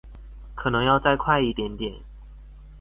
可能要再快一點點